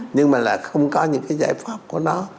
nhưng mà lại không có những cái giải pháp của nó